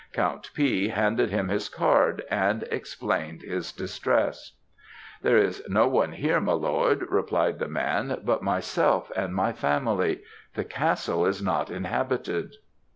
Count P. handed him his card, and explained his distress. "'There is no one here, my lord,' replied the man, 'but myself and my family; the castle is not inhabited.'